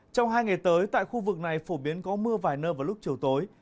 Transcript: trong hai ngày tới tại khu vực này phổ biến có mưa vài nơi vào lúc chiều tối